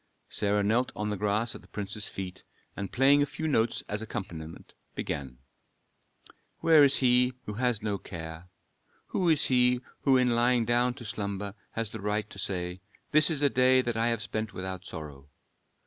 Sarah knelt on the grass at the prince's feet, and playing a few notes as accompaniment, began, "Where is he who has no care? Who is he who in lying down to slumber has the right to say: This is a day that I have spent without sorrow?